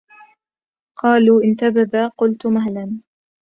قالوا انتبذ قلت مهلا